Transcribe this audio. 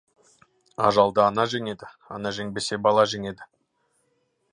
Ажалды ана жеңеді, ана жеңбесе, бала жеңеді.